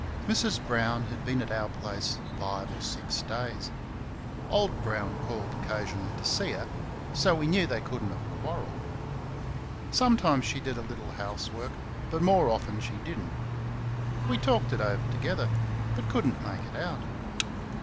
Mrs. Brown had been at our place five or six days. Old Brown called occasionally to see her, so we knew they could n't have quarrelled. Sometimes she did a little house work, but more often she did n't. We talked it over together, but could n't make it out.